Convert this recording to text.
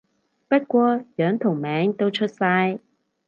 不過樣同名都出晒